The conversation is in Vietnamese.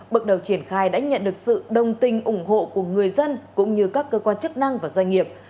bước đầu triển khai đã nhận được sự đồng tình ủng hộ của người dân cũng như các cơ quan chức năng và doanh nghiệp